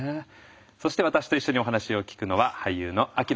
そして私と一緒にお話を聞くのは俳優の秋野暢子さんです。